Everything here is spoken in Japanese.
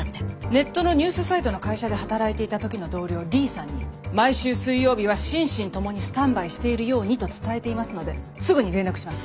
ネットのニュースサイトの会社で働いていた時の同僚リーさんに毎週水曜日は心身共にスタンバイしているようにと伝えていますのですぐに連絡します。